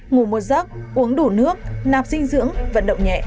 ngủ mua giấc uống đủ nước nạp dinh dưỡng vận động nhẹ